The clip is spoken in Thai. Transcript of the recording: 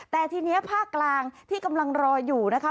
แต่ทีนี้ภาคกลางที่กำลังรออยู่นะคะ